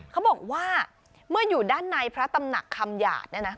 เขาบอกว่าเมื่ออยู่ด้านในพระตำหนักคำหยาดเนี่ยนะ